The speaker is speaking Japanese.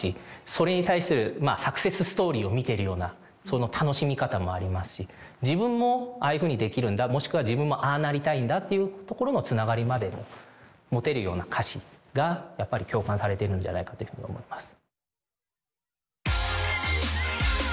それに対するサクセスストーリーを見ているような楽しみ方もありますし自分もああいうふうにできるんだもしくは自分もああなりたいんだというところのつながりまで持てるような歌詞がやっぱり共感されているんじゃないかというふうに思います。